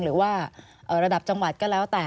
หรือว่าระดับจังหวัดก็แล้วแต่